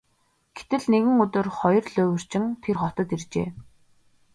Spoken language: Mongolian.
Гэтэл нэгэн өдөр хоёр луйварчин тэр хотод иржээ.